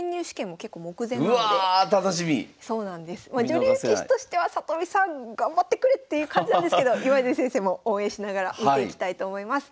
女流棋士としては里見さん頑張ってくれっていう感じなんですけど今泉先生も応援しながら見ていきたいと思います。